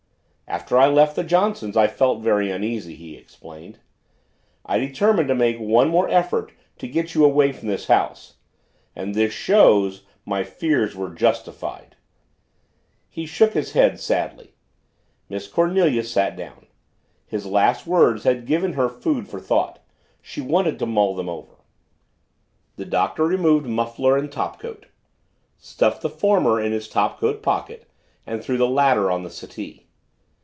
"After I left the Johnsons' I felt very uneasy," he explained. "I determined to make one more effort to get you away from this house. As this shows my fears were justified!" He shook his head sadly. Miss Cornelia sat down. His last words had given her food for thought. She wanted to mull them over for a moment. The Doctor removed muffler and topcoat stuffed the former in his topcoat pocket and threw the latter on the settee.